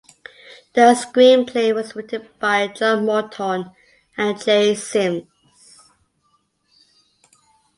The screenplay was written by John Morton and Jay Simms.